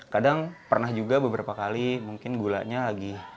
kadang pernah juga beberapa kali mungkin gulanya lagi